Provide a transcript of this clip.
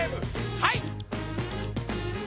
はい！